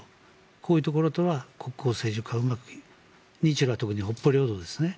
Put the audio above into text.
こういうところとは国交正常化がうまく日ロは特に北方領土ですね